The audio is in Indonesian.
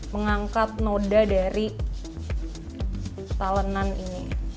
mengangkat noda dari salenan ini